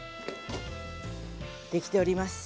出来ております。